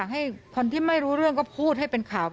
จะเป้ื้อนเลือดค่ะ